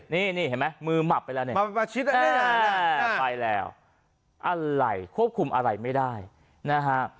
นี่เห็นมั้ยมือหมับไปแล้วข้บคุมอาหารไม่ได้นะฮะ